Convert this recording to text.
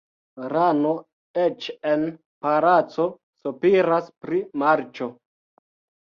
Rano eĉ en palaco sopiras pri marĉo.